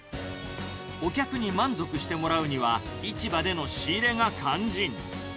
お客に満足してもらうには、市場での仕入れが肝心。